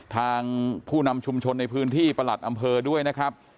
ทางผู้นำชุมชนในพื้นที่ประหลัดอำเภอด้วยนะครับ